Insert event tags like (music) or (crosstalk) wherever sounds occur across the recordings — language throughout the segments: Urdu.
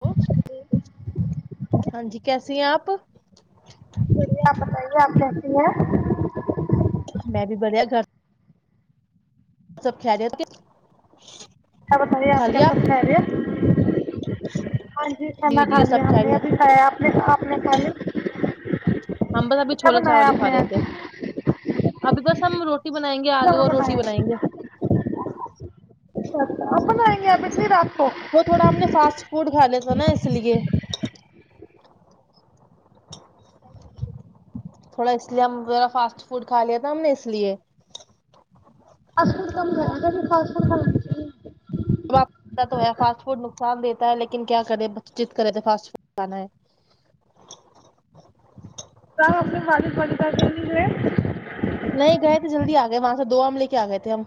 وہ (inaudible) ہاں جی کیسی ہیں آپ (inaudible) چلیے آپ بتائیے آپ کیسی ہیں (inaudible) میں بھی بڑھیا گھر سب کیال اچھا بتائیے آپ کیا سبھ رہیا (inaudible) ہاں جی (inaudible) جی کھانا کھا جی لیا سب ہم نے خیریت ابھی کھایا آپ نے آپ نے کھ لی ہم بس ابھی چھولا بنایا چاول ہی آپ کھا نے رہتے آج ابھی بس ہم روٹی بنائیں گے چاول آلو اور بنایا روٹی بنائیں گے (inaudible) (inaudible) بنائییا بیتی رکھو (inaudible) جائیس گ تھوڑا اس لیے ہم میرا فاسٹ فوڈ کھا لیا تھا ہم نے اس لیے ام گھر (inaudible) (inaudible) آپ فاسٹ فڈ نقصان دیتا ہے لیکن کیا کرے ب چیت کرے تو فاسٹ فڈ کھانا ہے کیا آپ سے خال فال کر کے (inaudible) نہیں گئے تھے جلدی آ گئے وہاں سے دو آم لے کے آ گئے تھے ہم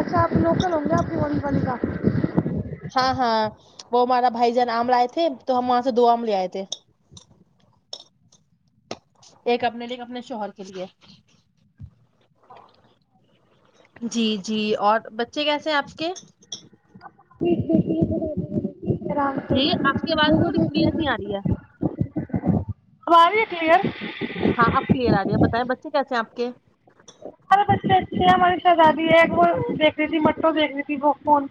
اچھا آپ لوکل ہوں گے آپ کی وون فنی کا (inaudible) ہاں ہاں وہ ہمارا بھائی جان آم ل آئے تھے تو ہم وہاں سے دو آم لے آئے تھے ایک اپنے لے اپنے شوہر کے لیے جی جی اور بچے کیسے ہیں آپ کے (inaudible) آرام سے جی آپ کی آواز ن وہ وہ تھوڑی دیکھ کلیئر نہیں آ رہی ہے آواز بھی ہے کلیئر ہاں اپ کلیئر آ رہی ب ب بچے کیا تھے آپ کے ہمارے بچے اچھے ہیں ہماری شہزادی ہے وہ دیک رہی تھی مٹو دیک رہی تھی ب فون (inaudible)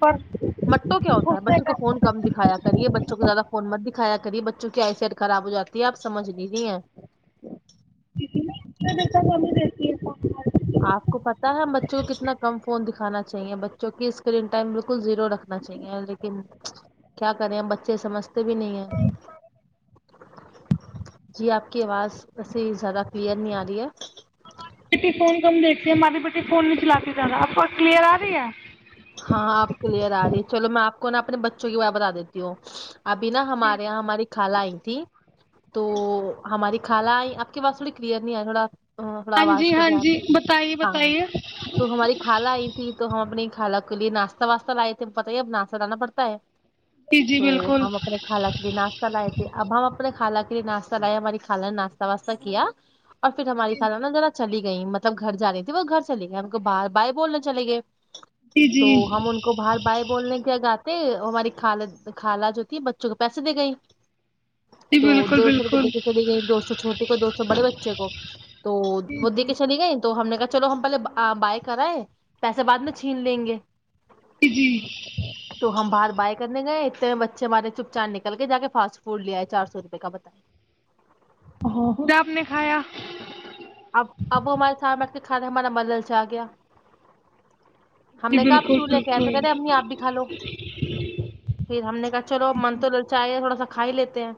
مٹو کیا ہوتا ہے اس نے بچوں کو کہا فون کم دکھایا کریے بچے بچوں کو زیادہ فون مت دکھایا کریے بچوں کی آئی سٹ خراب ہو جاتی ہے آپ سمجھ نہیں نہیں ہیں دا ہم میں دیتی ہے آپ کو پت ہے ہم بچوں کو کتنا کم فون دکھانا چاہیے بچوں کی اسکرین ٹائم بالکل زیرو رکھنا چاہیے لیکن کیا کریں ہم بچے سمجھتے بھی نہیں ہیں جی آپ کی آواز ایسسی زیادہ کلیئر نہیں آ رہی ہے بیٹی فون کم دیتی ہماری بیٹی فون نہیں چلاتی زیادہ آب کو کلیئ آ رہی ہے ہاں آپ کلیئر آ رہی ہے چلو میں آپ کو نا اپنے بچوں کی ب بتا دیتی ہوں ابھی نا ہمارے یہاں ہماری خال آئی تھی تو ہماری خال آئی آپ کی بس تھوڑی کلیئر نہیں آیا تھوڑا تھوڑا ہاں جی آواز کا ہاں دھیان جی دیں بتائیے بتائیے حال آئی تھی تو ہم اپنی کھالا کولی ناشتہ واسہ لائے تھے پت ہی ہے اب ناشہ لانا پڑتا ہے جی جی تو بالکل ہم اپنے خالہ کے بھی ناشتے اہ لائے تھے اب ہم اپنے خانہ کے لیے ناشتہ لائےیا ہماری خالان نے ناشہ واسہ کیا اور پھر ہماری خانہ ن ذرا چلی گئی مطلب گھر جا رہی تھی وہ گھر چلیے گئی ہم کو بار باہ بولنے چلے گئے جی تو جی ہم ان کو بار بائے بولنے کیا گاتے ہماری خال خالہ جو تھی بچوں کو پیسے دے گئی جی تو بالکل دو سو روپئے بالکل دے کے چلی گئیں دوستو چھوٹی کو دوستو تو بڑے بچے کو تو جی وہ دے جی کے چلی گئے تو ہم نے کہا چلو ہم پہلے بائی کرائے پیسے بع میں چھین لیں گے ج جی تو ہم باہر بائے کرنے گئے اتنے بچے ہمارے چپ چان نکل کے جا کے فاسٹ فوڈ لے آئے چار سو روپے کا بتائے ا خھر آپ نے کھایا اب اب ہمارے سام کھانا ہمارا ملل سے آ گیا ہم جی نے کہا آپ بالکل کیوں لے کے ایسے بالکل کہ رہے ہم آپ بھی کھا لو پھر ہم نے کہ چلو من تو ل چاہ تھوڑا سا کھائی لیتے ہیں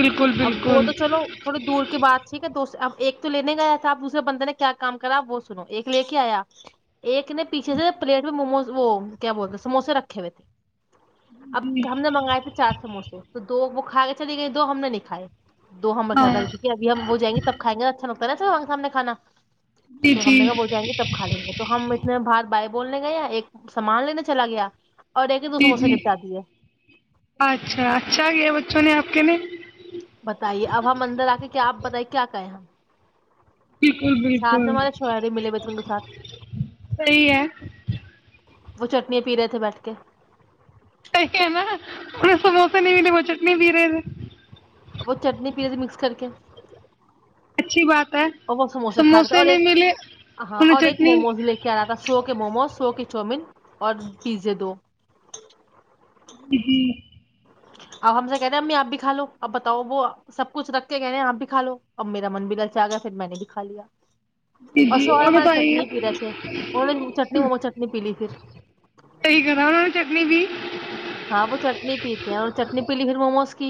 بالکل اب وہ بالکل تو چلو تھوڑی دور کی بات ٹھیک ہے دو ا تو لینے گیا تھا آپ دوسرے بندے نے کیا کام کرا وہ سنو ایک لے کے آیا ایک نے پیچھے سے پلیٹ میں موموز وہ کیا بولتے سموسے رکھے ہوئے تھے اب جی ہم نے منگائے تھے چار سموسے تو دو کھا کے چلی گئی دو ہم نے نہیں کھائے دو ہمیں گھر ہاں رکھ دھیے اب ہم وہ جائیں گے تب کھائیں گا پہ سگ سامنے کانا جی تو ہم جی جگہب ہو جائیں گے تب کا لیں گے تو ہم اتنے بات بائ بولنے گیا ایک سامان لینے چلا گیا اور ایک نے دو جی سموسے جی نپٹا دیے اچھا اچھا یہ بچوں نے آپ کہ میںنے بتائیے اب ہم اندر آ کے کیا آپ بتائییں کیا کہیں ہم بالکل ساتھ بالکل میں ہمارے شوہر ملے ہوئے تھے ان کے ساتھ سی ہے وہ چٹنیاں پی رہے تھے بیٹھ کے صحیح ہے نا پے سموسے نہیں ملے وہ چٹنی پی رہے تھے وہ چٹنی پی مکس کر کے اچھی بات ہے اور وہ سموسے کھا رہے تھے اور نہیں ایک ملے ہاں انہیں اور ایک چٹنی موموز لے کے آ رہا تھا سو کے موموز سو کے چاؤومین اور پیزے دو ج جی (unintelligible) اب ہم سے کہ رہ ہیں امی آپ بھی کھا لو اب بتاؤ وہ سب کچھ رکھ کے کہ رہ ہیں آپ بھی کھا لو اب میرا من بھی للچ آ گیا پھر میں نے بھی کھا لیا جی جی اشو والا اور ماری بتائیے چٹنی پی رہے ہے وہ نے چٹنی مم چٹنی پی لی پ (unintelligible) ہاں وہ چٹنی پیتے ہیں اور چٹنی پی لی پھر موموز کی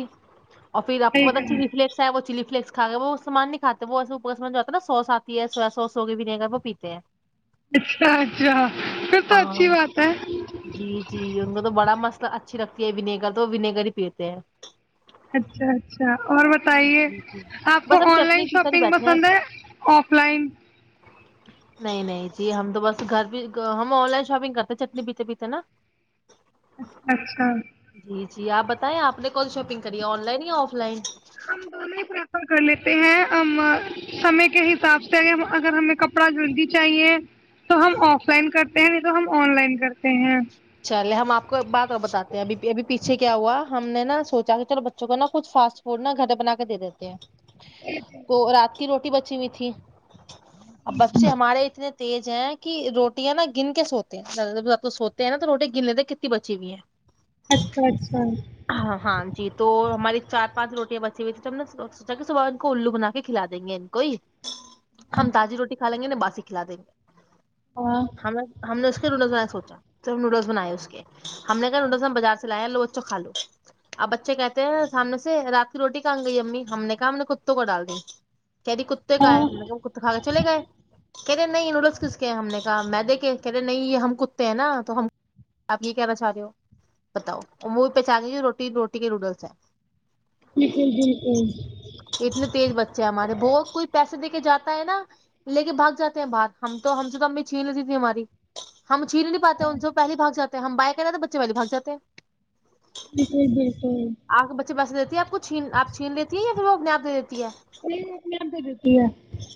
اور پھر آپ کو صحیح پتا کرا چلی فلیکس ہے وہ چلی فلس کھا وہ سان نہیں کاتے وہسےوپ کا سان آتا نا سوس آتی ہے سواس سوس ہوگی بھی نہیں وہ پیتے ہیں اچھا اچھا پھر تو اچھی ہاں بات ہے ب اچھی لگتی ہے ونیگر تو وہ ونیگر ہی پیتے ہیں اچھا اچھا اور بتائیے جی جی آپ کو بس اب آن لائن چٹنی پی کر ہی شاپنگ بیٹھے ہیں پسند ہے آف لائن نہیں نہیں جی ہم تو بس گھر بھی ہم آن لائن شاپنگ کرتے چٹنی پیتے پیتے نا اچھ اچھا جی جی آپ بتائیں آپ نے ک شاپنگ کریے آن لائن یا آف لائن ہم دونوں ہی پریفر کر لیتے ہیں ہم سے کے حساب سے اگر ہمیں کپڑا جلدی چاہیے تو ہم آف لائن کرتے ہیں نہیں تو ہم آن لائن کرتے ہیں چلے ہم آپ کو بعد می بتاتے ہیں بھی ابھی پیھ اچھے کیا ہوا ہم نے نا سوچا کہ چلو بچوں کو نا کچھ فاسٹ فوڈ نا گھر پ بنا کے دے دیتے ہیں وہ رات روٹی بچی ہوئی تھی اب بچے ہمارے اتنے تیز ہیں کہ روٹیاں نا گن کے سوتے ہیں سوتے ت نہا تو روٹی گننے ت کتی بچی بھی ہے اچھا اچھا ہاں جی تو ہماری چار پانچ روٹیاں بچی ہوئی تیں تو ہم نے سوچا کہ صبح ان کو الو بنا کے کھلا دیں گے ان کو ہی ہم تازی روٹی کھا لیں گے نا باسی کھلا دیں گے ہاں ہم نے ہم نے اس کے نوڈل سوچا صر نوڈلس بنائے اس کے ہم نے کہ انوں س بازار سے لایا لو توخالو اب بچے کہتے ہیں سامنے سے رات کی روٹی کہا گئی امی ہم نے کہا ہم نے کتوں کو ڈال دی کہہ دیی کتے کا ہے ہاں می نے کہ کتے کھا کے چلے گئے کہہ دے نہیں نوڈلس کس کے ہیں ہم نے میں دیکھے کہہ رہے نہیں یہ ہم کدتے ہیں نا تو ہم آپ یہ کہنا چاہ رہے ہو بتاؤ وہ پہچانانی روٹی روٹی کے نوڈلس ہیں نکل جی نکل جی اتنے تیز بچے ہیں ہمارے بہت کوئی پیسے دے کے جاتا ہے نا لے کے بھاگ جاتے ہیں باہر ہم تو ہم سے تو امی چھین لیتی تھی ہماری ہم چھیری نہیں پاتے ہیں ان سے پہلی باگ سےات ہم بائ کہ رہے تو بچے والی بھاگ جاتے ہیں جی جی آگ کے بچے بسے دیتی ہے آپ کو چھین آپ چھین لیتی ہے یا روک ن آ نہیں وہ اپنے آپ دے دیتی ہے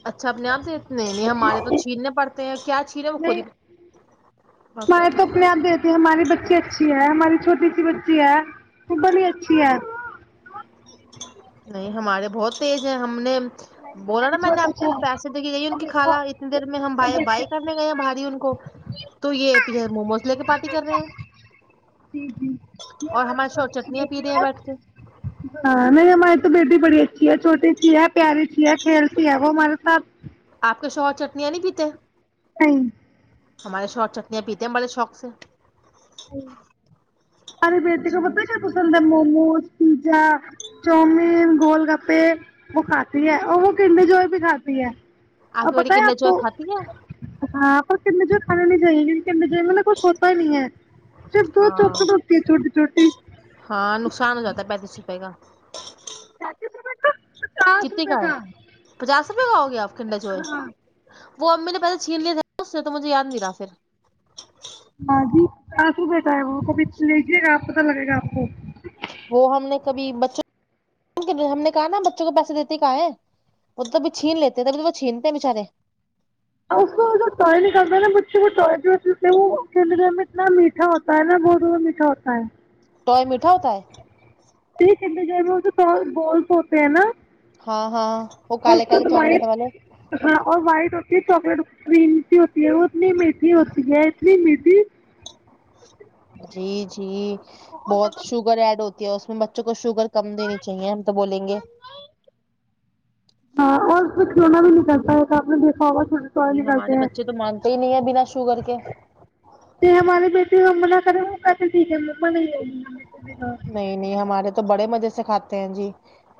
اچھا اپنے آپ تو اتنے نہیں ہمارے تو چھیرنے پڑتے ہیں کیا چھیر وہ خود نہیں ہی ہمارے تو اپنے آپ دیتی ہے ہماری بچی اچھی ہماری چھوٹی سی بچی ہے وہ بڑی اچھی ہے نہیں ہمارے بہت تیز ہیں ہم نے بولا نا میں نے آپ کو پیسے دے کے گئی ان کی کھالا اتنی دیر میں ہم بھائی بائی کرنے گئے ہیں بھاری ان کو تو یہ پیچھے موموز لے کے پارٹی کر رہے ہیں اور ہمارے ش چٹنیاں پی رہے ہیں بیٹھ کے ہاں نہیں ہماری تو بیٹی بڑی اچھی ہے چھوٹی اچھی ہے پیاری چی ہے کھیلتی ہے وہ ہمارے ساتھ آپ کے شو اور چٹنیاں نہیں پیتے نہیں ہمارے شو اور چٹنیاں پیتے ہیں بڑے شوق سے ساریے بیٹی کو جی پتا کیا جی پسند ہے موموز پیزا چومیین گول گپے وہ کھاتی ہے وہ کنمی جوئی بھی کاتی ہے ا کی بیٹی بتائ کنڈر آپ جوئے کو کھاتی ہے آ کت اور ہم میں جئی گی کہج مل نے کچھ ہوتا ہی نہیں ہے صرف دو ہاں چاکلیٹ ہوتی ہے چھوٹی چھوٹی ہاں نقصان ہو جاتا ہے پینتیس روپئے کا پینتیس روپے کا پچاس کتی کا روپے ہے پچاس میںگاؤ گےپ کو کڈا چوئے (unintelligible) وہ اب میں نے پہسے چھین لیے تھے اس سے تو مجھے یاد نہیں رہا پھر ہاں جی آس ر بیٹا ہے وہ کو بھی لیجیے گا آ اا لگے گا آپ کو وہ ہم نے کبھی بچوں ہم نے کہا نا بچوں کو پیسے دیتے کہ ہے وہببھی چھین لیتےبھی تو وہ چھینتے ہیں بچارے ا اس ٹ نکلتا ہے نا بچے کو جو ہے کیل گھر میں اتنا میٹھا ہوتا ہے نا گ میں میٹھا ہوتا ہے توٹائے میٹھا ہوتا ہے چ ج بولس ہوتے ہیں نا ہاں ہاں وہ اور کالے کالے چاکلیٹ وائٹ والے ہاں اور وائٹ پکڑ کریمتی ہوتی ہے وہ اتنی میٹھی ہوتی ہے اتنی میٹھی جی جی بہت شوگر ایڈ ہوتی ہے اس میں بچوں کو شوگرر کم دینی چاہیے ہم تو بولیں گے کرتا س نے د (unintelligible) پا س جی ہمارے نکالتے ہیں بچے تو مانتے ہی نہیں ہے بنا شوگر کے تو ہمارے بیٹے ہم ر ہو ت جے مک میں نہیں یہ نہیں نہیں ہمارے تو بڑے مزے سے سکھاتے ہیں جی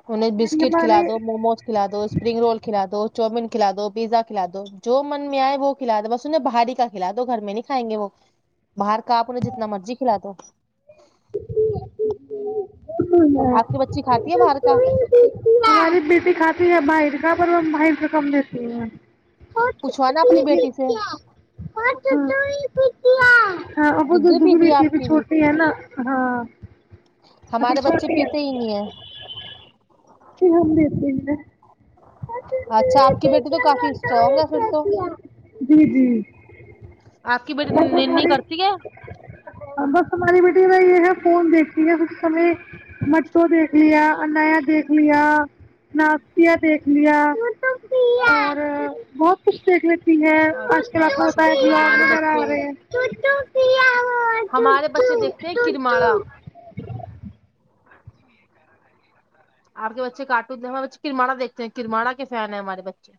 انہیں بسکٹ ہمارے کھلا دو موموز کھلا دو اسپرنگ رول کھلا دو چاؤمین کھلا دو پیزا کھلا دو جو من م میں آئے وہ کھلا دو بس انہیں بھاری کا کھلا دو گھر میں نہیں کھائیں گے وہ باہر کاپہیں جتنا مرضی کھلا دو (unintelligible) (unintelligible) گ آپ کی بر بچی کھاتی ہے باہر کا باہس ر کم دیتی اں پوچھوانا اپنی بیٹی سے اور بہت ج دودھ دب بھی پیتی دیتی ہے آپ کہ کی بھی چھوٹی ہے نا ہاں ابھی ہمارے بچے چھوٹی پیتے ہی نہیں ہیں ہممتینا اچھا آپ کی بیٹی تو کافی اسٹرانگ ہے پھر تو آپ کی بیٹی ننی کرتی ہے (unintelligible) (inaudible) بائی یہ ہے فون دیکتی ہے سیں مرتو دیکھ لیا اننایا دیکھ دیکھ لیا ناسیا دیکھ لیا اور بہت کچھ دیکھ لی ر اچھا اچھا ہمارے ہوتاا بچے رہےو کیاو ہمارے بچے دیکھتے ہیں کرماڑا و آپ کے بچے کٹون ہمارے بچے کرمانا دیکھ ہیں کرراڑ کے فین ہیں ہمارے بچے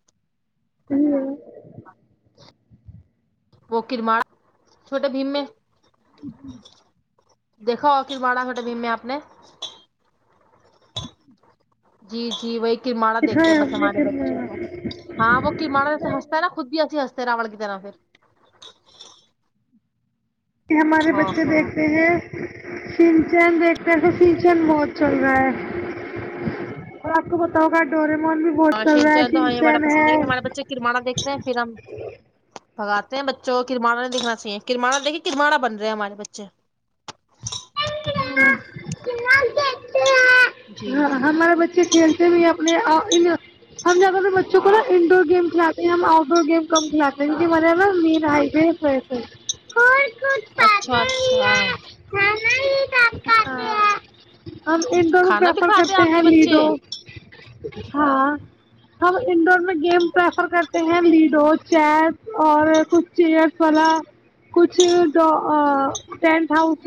(inaudible) وہ کرماڑ چھوٹے بھیم میں (inaudible) دیکھو آخھر باڑہ کھٹے بی میں آپ نے جی جی وہی کررمڑا دیکتے ہیں دکھائے ہم بس نے ہمارے بچوں کو فلمیں ہاں وہ کررمانایسے ہنستا ہے نا خود بھی ایسی ہنستا (inaudible) کہ ہمارے بچے دیکھتے ہیں سلچین دیکھتے تو سنچین بہت چل رہا ہے اور آپ کو پتا ہوگا ڈورے میں (inaudible) ہاں ش جان تو ہمیں بڑا پسند ہے ہمارے بچے کرمانا دیکھتے ہیں پھر ہم پگاتے ہیں بچوں کرمڑا نہیں دکھنا چاہیے کررمانا دیکھیے کرماڑا بن رہے ہیں ہمارے بچے جی ہاں جی ہمارے بچے کھیلتے بھی اپنے آپ (inaudible) ہم زیادہ تر بچوں کو نا انڈور گیم کھلے ہیں ہم آؤٹ ڈور گیم ک لتا مرے میںا (inaudible) (inaudible) اچھا اچھا (inaudible) (inaudible) کھانا بھی کھاتے ہیں آپ کے بچے انڈور میں گیم پریفر کرتے ہیں لیڈو چیپ اور کچھ چیئرس والا کچھ ٹینٹ ہاؤس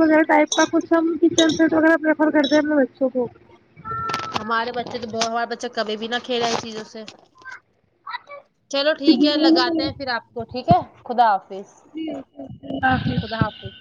تو پرریفر کرتے ہیں اپنے بچوں کو ہمارے بچے تو بت ہمارا بچہ کبھی بھی نہ کھیلاے ہے اس چیزوں سے چلو ٹھیک ہے لگاتے ہیں پھر آپ کو ٹھیک ہے خداف اللہ حافظ خدا حافظ